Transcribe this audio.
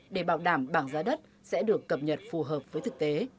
để bảo đảm bảng giá đất sẽ được cập nhật phù hợp với thực tế